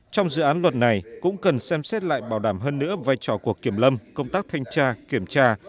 trong dự án luật này cũng cần xem xét lại bảo đảm hơn nữa vai trò của kiểm lâm công tác thanh tra kiểm tra